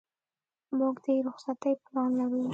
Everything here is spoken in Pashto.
موږ د رخصتۍ پلان لرو.